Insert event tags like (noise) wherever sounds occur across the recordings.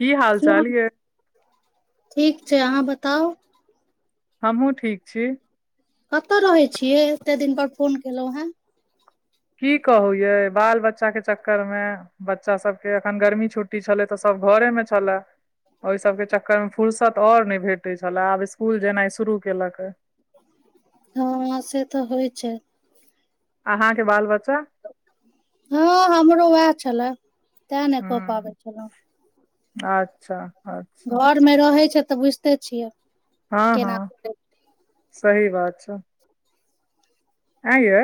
की हाल जी हम चाल यै ठीक छै अहाँ बताउ हमहूँ ठीक छी कतय रहै छियै एते दिन पर फोन केलहुँ हेँ की कहू यै बाल बच्चा के चक्कर मे बच्चा सब के अखन गर्मी छुट्टी छलै तऽ सब घरे मे छलए ओहि सब के चक्कर मे फुर्सत आओर नहि भेटैत छलए आब स्कूल जेनाइ शुरू केलक ए हँ से तऽ होइ छै अहाँ के बाल बच्चा हँ हमरो उएह छलए तेँ नै कऽ ह पाबै छलहुँ अच्छा अच्छा घर मे रहै छै तऽ बुझिते छियै हँ केना हँ करै छै। सही बात छै ऐँ यै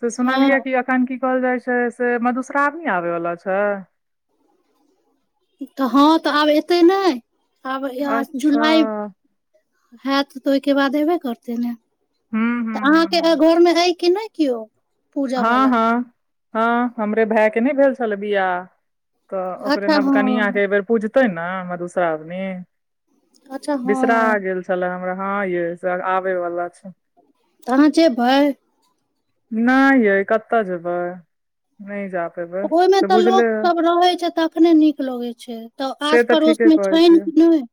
से सुनलियै हँ कि एखन की कहल जाय छै से मधुश्रावणी आबै वाला छै तऽ हँ तऽ आब एतै नहि आब आ अच्छा जुलाई हेत तऽ ओहिके बाद एयबे करतै ने हूँ हूँ तऽ हूँ अहाँ के हूँ घर मे ऐ कि नै कियो हँ हँ हँ हमरे भाय के नहि भेल छलै बियाह तऽ ओकरे अच्छा नवकनियाँ के हँ एहि बेेर पूजतै न मधुश्रावनी अच्छा हँ बिशरा गेल छले हमरा हँ यै सेर आबै बला छै तऽ आहाँ जेबै नहि यै कतऽ जेबै नहि जा पेबै ओहिमे से तऽ बुझले लोक यै सब रहै छै तखने नीक लगै छै तऽ से आस पड़ोस ठीके मे कहै छैन छियै कि नहि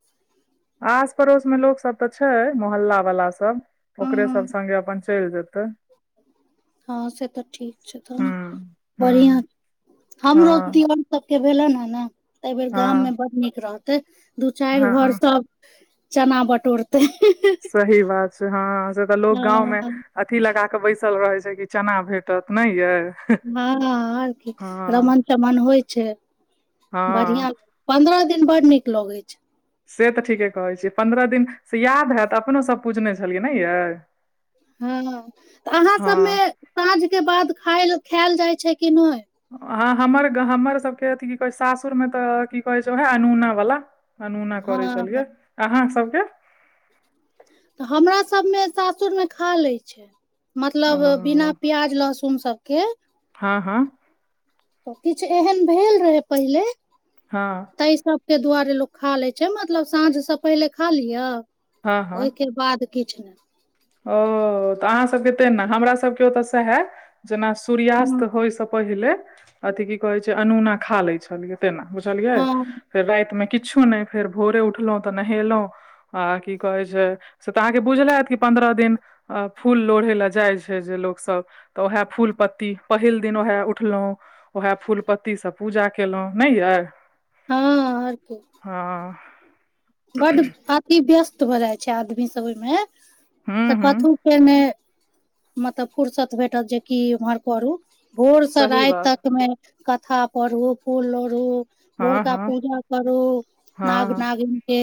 आस पड़ोस मे लोक सब तऽ छै मोहल्ला वाला सब हँ ओकरे सब संगे अपन चलि जेतै हँ से तऽ ठीक छै हूँ तहन बढ़ियाँ हूँ हमरो हँ दियोर सबके भेलन हें ने तऽ एहिबेर गाम मे हँ बड्ड नीक रहतै दू चारि घर हँ सब चना बटोरतै (unintelligible) सही बात छै हँ से तऽ लोग हँ गाँंव मे अथी लगा के बैसल रहे छै की चना भेट हँ हँ आर की हँ रमन चमन होइ छै हँ बढ़ियाँ पन्द्रह दिन बड्ड नीक लगै छै से तऽ ठीके कहै छियै पन्द्रह दिन से याद हैत तऽ अपनो सभ पूजने छलियै नै यै हँ तऽ अहाँ हँ सबमे साँझ के बाद खायल खायल जाइ छै कि नहि हँ हमर हमर सभके अथी की कहै छै सासुरमे तऽ की कहैत छै उएह अनुना बला अनुना करै हँ छलियै अहाँ सबके तऽ हमरा सभमे सासुरमे खा लैत छै ओ मतलब बिना प्याज लहसुन सबके हँ हँ तऽ किछु एहन भेल रहै पहिले हँ ताहि सबके दुआरे लोक खा ले छै मतलब साँझ से पहिले खा लिअ हँ हँ ओहिके बाद किछु नहि ओ तऽ अहाँ सभके तेना हमरा सभके ओतऽ सेहे जेना हूँ सूर्यास्त होय सँ पहिले अथी की कहै छै अनुना खा लो छलियै तेना बुझलियै हँ फेर राति मे किछो नहि फेर भोरे उठलहुँ तऽ नहेलहुँ आ की कहै छै से तऽ अहाँके बुझले हैत कि पन्द्रह दिन अ फूल लोढ़े लए जाइ छै जे लोक सब तऽ उएह फूल पत्ती पहिल दिन उएह उठलहुँ उएह फूल पत्तीसँ पूजा केलहुँ नहि यै हँ आओर की हँ बड्ड अथी व्यस्त भऽ जाइ छै आदमी सब ओहिमे हूँ तऽ हूँ कथु फेर नै मतलब फुर्सत भेटत जे की उम्हर करू भोर से सही राति बात तकमे कथा पढू फूल लोढ़ू हँ भोरका हँ पूजा करू नाग हँ नागिनके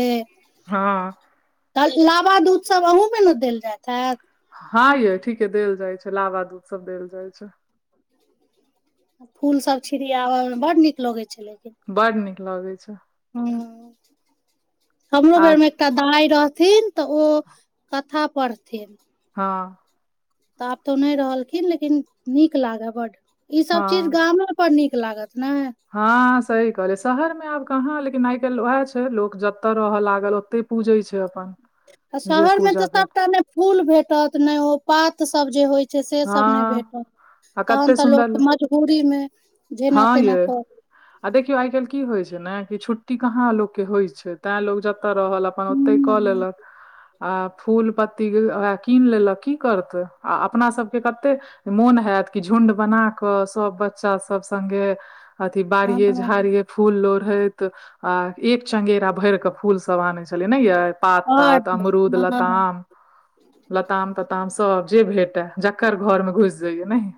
हँ तऽ इ लााबा दूध सब अहूँमे ने देल जाइत हैत हँ यै ठीके देल जाइ छै लावा दूध सब देल जाइ छै फूल सब छिड़ियाबैमे बड्ड नीक लगै छलैे लेकिन बड़ नीक लगै छै ओ हमरो आ बेर मे एकटा दाइ रहथिन तऽ ओ कथा पढ़थिन हँ तऽ आब तऽ नहि रहलखिन लेकिन नीक लागे बड्ड ई सब चीज हँ गामों पर नीक लागत ने हँ सही कहलियै शहर मे आब कहाँ लेकिन आइ काल्हि उएह छै लोक जतय रहऽ लागल ओते पूजै छै अपन आ जे शहर मे तऽ पूजा भेल सबटा ने फूल भेटत ने ओ पात सब जे होइ छै से हँ सब नहि भेटत आ तहन कते तऽ सुन्दर लोकके मजबूरी मे जेना हँ तेना यै करऽ आ देखियो आइ काल्हि की होय छै ने कि छुट्टी कहाँ लोककेँ होइ छै तैं लोक जतऽ नतऽ रहल अपन ओतै कऽ हूँ लेलक आ फूल पत्ती उहे कीन लेलक की करते आ अपना सब सबके कते मोन हैत कि झुण्ड बना कऽ सभ बच्चा सब संगे अथी हँ बारिये बड झाड़िये फूल लोढ़ैत आ एक चंगेरा आनै के फूल सब आनै छलिये नै यै पात तात अमरूद हँ लताम लताम तताम सब जे भेटए जकर घर मे घुसि जइयै नहि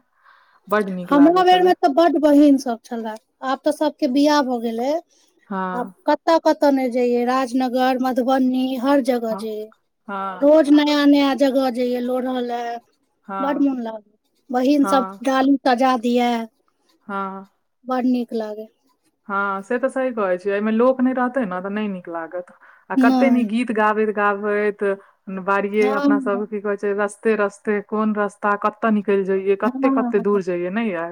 बड नीक हमरा लागै बेर छलै मे तऽ बड्ड बहिन सब छले आब तऽ सबके बियाह भऽ गेले हँ आब कत्त कत्त नै जइयै राजनगर मधुबनी हर जगह हँ जैयै हँ रोज नया नया जगह जैये लोढ़ लै बड्ड हँ मोन लागल बहीन सभ हँ डाली सजा दिये हँ बड नीक लागे हँ से तऽ सही कहे छैयै एहिमे लोक नहि रहते ने तऽ नहि नीक लागत आ कते नीक नहि गीत गाबैत गाबैत बाड़िये हँ अपना सब की कहे छै रस्ते रस्ते। कोन रास्ता कत्ते निकलि जइये कते कते दूर हँ जइये ने या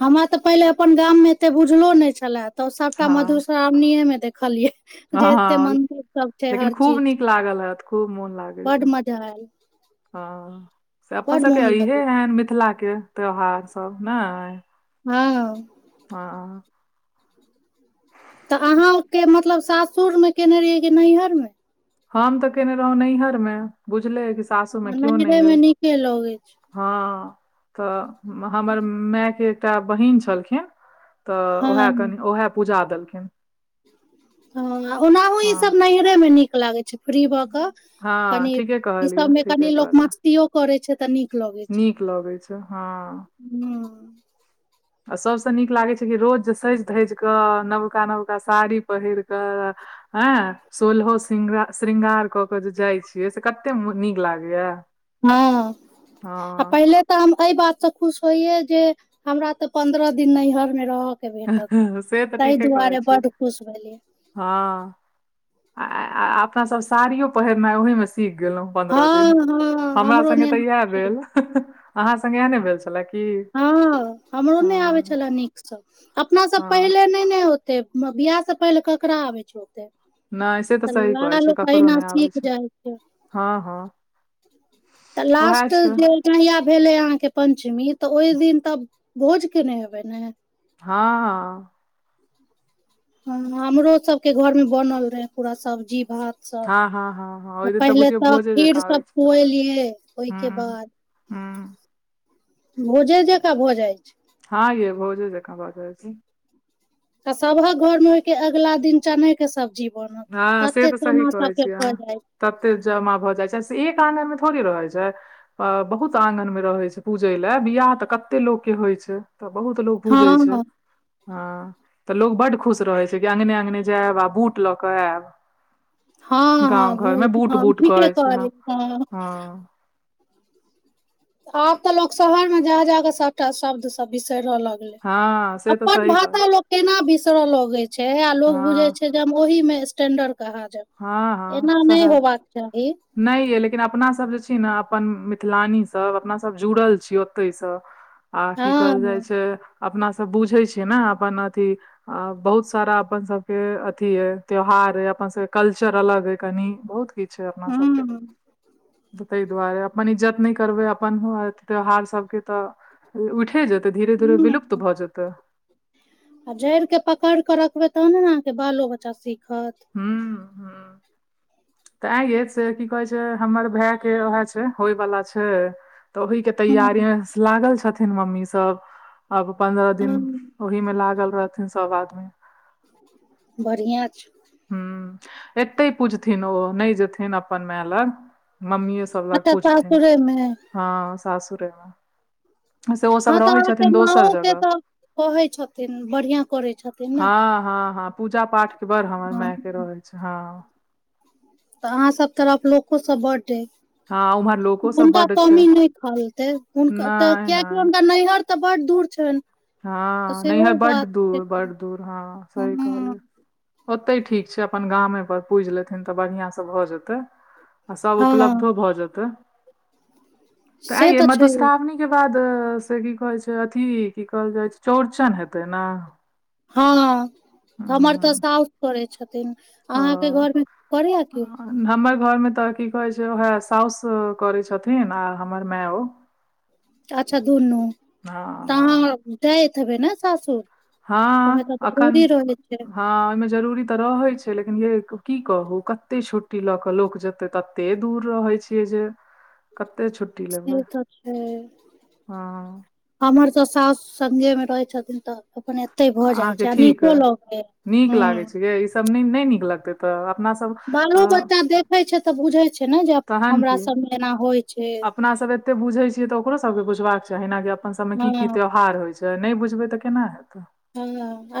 हमरा तऽ पहिले अपन गाम मे एते बुझलो नहि छले तऽ सबटा हँ मधुश्रावणीे मे देखलियै, हँ जे एते हँ मंदिर सब छै लेकिन हर खूब चीज नीक छै लागल हात त खूब मोन लागै बड छै मजा आयल हँ से अपन बड सभके मोन इहे लागल एहन मिथिलाके त्यौहारसभ ने हँ हँ तऽ अहाँ के मतलब सासुर मे केने रहिये कि नैहर मे हम तऽ केने रहौ नैहर मे बुझलेै कि सासू मे केओ नहरे नहि मे अइ नीके लगैत छै हँ तऽ हमर मायके एकटा बहिन छलखिन। तऽ हँ उएहा कनि ओएह पूजा देलखिन हँ ओनाहु ई सब हँ नैहरे मे नीक लागै छै फ्री भऽ कऽ हँ कनी ठीके ई कहलियै सबमे ठीके कनि लोक कहलियै मस्तियो करै छै तऽ नीक लगै छै। नीक लगै छै हँ हँ आ सभसँ नीक लागै छै कि रोज सेज घेज कऽ नबका नबका साड़ी पहिर कऽ हँ सोलहो श्रृार श्रृंगार कऽ के जे जाइ छियै से कते नीक लागै या हँ पहिले तऽ हम एहि बात से खुश होइये जे हमरा ते पन्द्रह दिन नैहर मे रहै परत के भेटत से तऽ ताहि ठीके कहै दुआरे छियै बड खुश भेलियै हँ अपना सब साड़ियो पहिरना ओहिमे सीख गेलहुँ पन्द्रह हँ दिन हँ हमरा हमरो संगे नहि तऽ होइत इएह छल भेल अहाँ सङ्गे इएह ने भेल छलए क हँ हमरो नहि आबे छले नीक सब अपना सब हँ पहिर ने नहि ओते बियाह से पहिले ककरा आबे छै नहि से तऽ सही नाया कहै छै लोग ककरो अहिना नहि आबै सीख जाइ छै हँ हँ तऽ उएह लास्ट छै जे कहिया भेले अहाँ के पंचमी तऽ ओहि दिन तऽब भोज केनहि हेबे ने हँ हँ हँ हमरो सबके घर मे बनल रहे पूरा सब्जी भात हँ हँ हँ हँ सब ओहि दिन पहिले बुझियौ तऽ भोजे खीर जकाँ सब होइ छै खुएलियै ओहके बाद हँ भोजे जका भोजा छै हँ ये भहुज देखख बात छी (inaudible) आ सबक घर मे होयके अगलाा दिन चने के सब्जी हँ से नतते तऽ सही सोना सब कहै के छियै ख अहाँ जाइ छै तते जमा भऽ जाइ छै से एक आङगन मे थोड़ी रहै छै बहुत आंगन मे रहे छै पूजे ले बियाह तऽ कते लोक के होइ छै तऽ बहुत लोग पूजै छै हँ हँ तऽ लोग बड्ड खुश रहै छै कि अङंगगने अङंगगने जायब आ बूट लऽ कऽ आयब हँ हँ गाँव बूढ़ घरमे बूट हँ बूट ठीके कहै छै हँ कहलियै हँ आब तऽ लोक शहर मे जाके जाके सबटा शब्द सब बिसरि रहलक हँ से तऽ अपन सही भाषा कहलियै लोक केना बिसरे लगै छै आ लोग बुझै हँ छै ओहि मे स्टेंडर्ड कह हँ हँ जाब एना सएह नहि होबाक चाही नहि ये लेकिन अपना सब जे छी ने अपन मिथिलानी सब अपना सब जुड़ल छी ओते सँ आ हँ की कहल जाइ छै अपना सब बुझै छियै ने अपन अथि आ बहुत सारा अपन सबके अथी अय त्योहार अय अपन सबके कल्चर अलग अय कनी बहुत किछु छै अपना सबके हूँ तऽ ताहि दुआरे अपन इज्जत नहि करबै अपन त्योहार सभके तऽ उइठे जेतै धीरे धीरे विलुप्त हूँ भऽ जेतै आ जड़ि के पकड़ि के रखबै तहने ने अहाँके बालो बच्चा सीखत हूंम्म हूंम्म तऽ ऐँ यै से की कहै छै हमर भाय के वएह छै होय बाला छै तऽ ओहि के हूँ तैयारीमे लागल छथिन मम्मी सब अब पंन्द्रह दिन हँ ओहि मे लागल रहथिन सब आदमी बढ़ियाँ छै हूंम्म एत्ते पूजथिन ओ नहि जेथिन अपन माय लग मम्मीेये सब सब लग अच्छा पूजथिन सासुरे मे हँ सासुरेमे से ओसभ हँ तऽ रहैत अहाँके छथिन दोसर माँओ के जगह तऽ कहै छथिन बढ़ियाँ करै छथिन ने हँ हँ हँ पूजा पाठ के बड़ हमर माय के हँ रहैत छै हँ तऽ अहाँ सब तरफ लोको सब बड्ड अय हँ उम्हर लोको सब हुनका बड्ड छै कमी नहि खलतै हुनक तऽ नहि कियेकि नहि हुनका नैहर तऽ बड्ड दूर छनि तऽ हँ सेहो नैहर बड्ड बात छै दूर बड्ड दूर हँ सही हँ कहलियै ओते ठीक छै अपन गामे पर पूजि लेथिन तऽ बढ़ियाँ से भऽ जेतै आ सब हँ उपलब्धो भऽ जेतै तऽ से आँययै छै मधुश्रावणी के बाद से की कहै छै अथी की कहल जाइ छै चौड़चन हेतै ने हँ हमर तऽ हम्म, साउस करै छथिन अहाँके ओ घरमे करैये केओ हमर घरमे तऽ की कहै छै उएह साउस करै छथिन आ हमर मेओ (inaudible) अच्छा दुनू तऽ अहाँ जाएत हेबै ने सासुर ओहिमे हँ तऽ अखन जरूरी रहै छै हँ ओहिमे जरूरी तऽ रहैत छै लेकिन येै की कहू कते छुट्टी लऽ कऽ लोक जेतै तते दूर रहै छियै जे कते छुट्टी लेबै से तऽ छै हँ हमर तऽ सासु संगे मे रहै छथिन तऽ अपन एत्ते भऽ जाइ अहाँके छै आ ठीक नीको लगै हूंम्म सबनी (unintelligible) नै निक लगतै तऽ अपना सब बालो बच्चा देखै छै तऽ बुझै छै ने जे अप तहन हमरा सबमे एना होइ छै कते बुझे छियै तऽ ओकरो सब के बुझबाक चाही ने जे अपन सब मे हँ की की त्यौहार होय छै नहि बुझबै तऽ केना हेतै हँ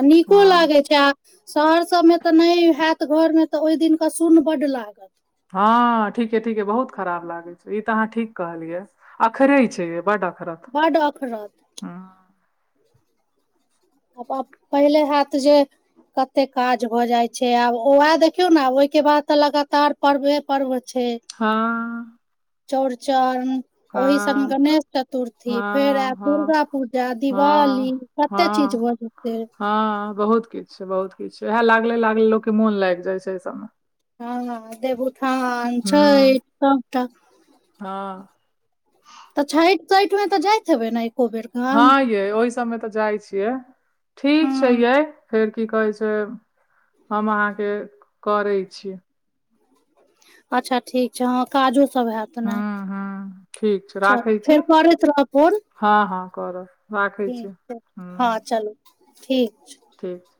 आ नीको हँ लागै छै आ शहर सब मे तऽ नहि हेत घर मे तऽ ओहि दिन क सुन बड्ड लागत हँ ठीके ठीके बहुत खराब लागै छै ई तऽ अहाँ ठीक कहलियै अखरै छै यै बड्ड अखरत बड्ड अखरत आब (unintelligible) पहिले हैत जे कते काज भऽ जाइ छै आब उएह देखियौ ने ओइके बाद तऽ लगातार पर्वे पर्व छै हाँ चौरचन ओहि संग हाँ गणेश चतुर्थी फेर हाँ आयब हाँ दुर्गा पूजा दिवाली कतेक हँ हँ बहुत किछ बहुत किछु वएह लागले लागले लोकके मोन लागि जाइ छै एहि सबमे हँ देवउठान छठि सबटा हँ तऽ छैठ तैठ मे तऽ जाइत हेबै न हँ ये ओहि सबमे तऽ जाइ छियै ठीक छै हँ यै फेर की कहै छै हम अहाँके करै छी अच्छा ठीक छै हँ काजोसब हैत ने हूँ हूँ ठीक छै चलु राखै छी फेर करैत रहब फोन हाँ हाँ करब राखै छी ठीक छै हँ हूँ चलू ठीक छै (unintelligible) ठीक छै